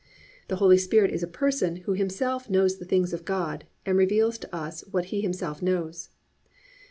The Holy Spirit is a Person who Himself knows the things of God and reveals to us what He Himself knows.